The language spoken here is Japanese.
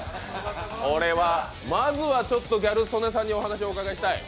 これはまずはちょっとギャル曽根さんにお話をお伺いしたい。